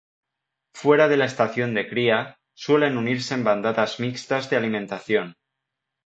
Fuera de la estación de cría, suelen unirse en bandadas mixtas de alimentación.